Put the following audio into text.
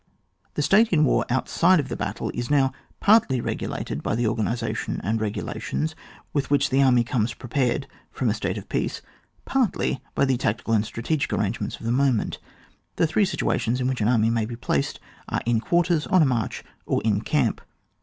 This state in war outside of the battle is now partly regulated by the organisation and regulations with which the army comes prepared from a state of peace, partly by the tactical and strategic arrangements of the moment. The three situations in which an army may be placed are in quarters, on a march, or in camp.